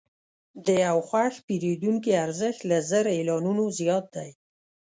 د یو خوښ پیرودونکي ارزښت له زر اعلانونو زیات دی.